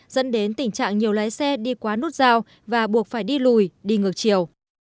dẫn đến tình trạng nhiều lái xe đi quá nút giao và buộc phải đi lùi đi ngược chiều